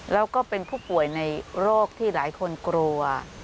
แล้วก็เป็นผู้ป่วยในโรคที่หลายคนกลัว